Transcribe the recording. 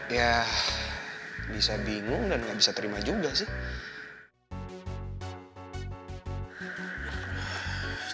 ya bisa bingung dan nggak bisa terima juga sih